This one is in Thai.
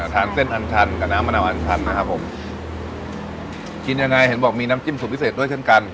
เส้นอันชันกับน้ำมะนาวอันชันนะครับผมกินยังไงเห็นบอกมีน้ำจิ้มสุดพิเศษด้วยเช่นกัน